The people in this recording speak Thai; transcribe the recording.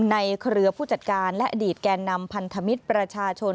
เครือผู้จัดการและอดีตแก่นำพันธมิตรประชาชน